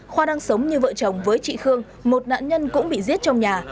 khoa đang sống như vợ chồng với chị khương một nạn nhân cũng bị giết trong nhà